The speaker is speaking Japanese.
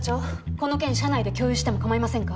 この件社内で共有しても構いませんか？